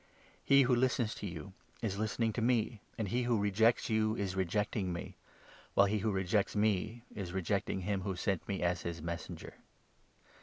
He who listens to you is listening to me, 16 and he who rejects you is rejecting me ; while he who rejects me is rejecting him who sent me as his Messenger."